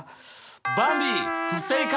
ばんび不正解！